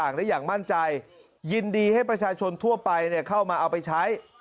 ได้อย่างมั่นใจยินดีให้ประชาชนทั่วไปเนี่ยเข้ามาเอาไปใช้